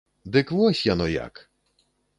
Дык вось яно як!